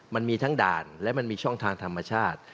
มันมีทั้งด่านและมันมีช่องทางธรรมชาติ